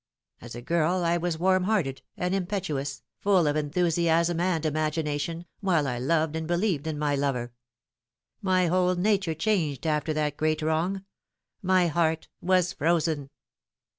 As a girl I was warm hearted and im petuous, full of enthusiasm and imagination, while I loved and believed in my lover. My whole nature changed after that great wrong my heart was frozen."